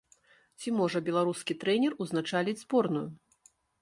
Ці можа беларускі трэнер ўзначаліць зборную?